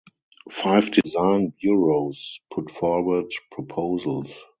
Five design bureaus put forward proposals.